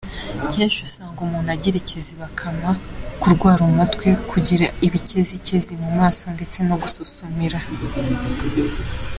Kenshi usanga umuntu agira ikizibakanwa, kurwara umutwe, kugira ibikezikezi mu maso ndetse no gususumira.